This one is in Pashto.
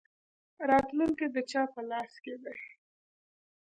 راتلونکی د چا په لاس کې دی؟